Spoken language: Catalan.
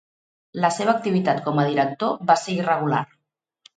La seva activitat com a director va ser irregular.